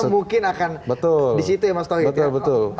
mungkin akan di situ betul